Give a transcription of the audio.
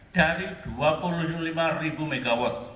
dari dua puluh lima mw